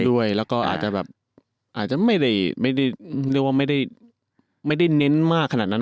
ด้วยแล้วก็อาจจะแบบอาจจะไม่ได้ไม่ได้เรียกว่าไม่ได้เน้นมากขนาดนั้น